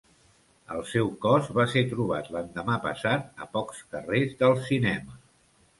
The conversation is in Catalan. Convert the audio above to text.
El seu cos va ser trobat l'endemà passat a pocs carrers del cinema.